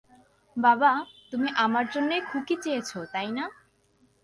বাবা, তুমি আমার জন্যেই খুকি চেয়েছ, তাই না?